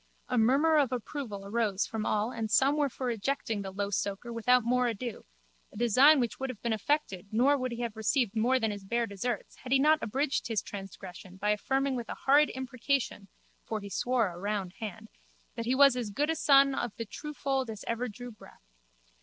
A murmur of approval arose from all and some were for ejecting the low soaker without more ado, a design which would have been effected nor would he have received more than his bare deserts had he not abridged his transgression by affirming with a horrid imprecation (for he swore a round hand) that he was as good a son of the true fold as ever drew breath.